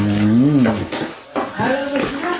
โอ้โหนี่ครับ